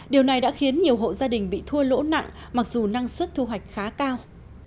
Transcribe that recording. điều này đã khiến nhiều hộ gia đình bị thua lỗ nặng mặc dù năng suất thu hoạch khá cao